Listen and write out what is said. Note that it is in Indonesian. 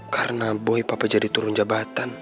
karena boy bapak jadi turun jabatan